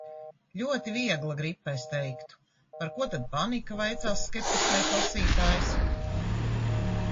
Ļoti viegla gripa, es teiktu. Par ko tad panika, vaicās skeptiskais lasītājs.